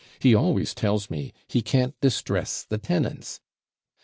He always tells me "he can't distress the tenants."'